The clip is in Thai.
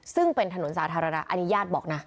ซึ่งเป็นถนนสาธารณะอันนี้ญาติบอกนะ